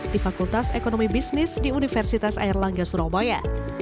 di fakultas ekonomi bisnis di universitas airlangga surabaya